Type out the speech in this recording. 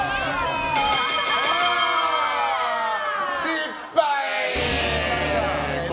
失敗！